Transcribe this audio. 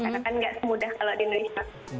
karena kan nggak semudah kalau di indonesia